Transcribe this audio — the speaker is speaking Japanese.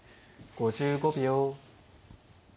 ５５秒。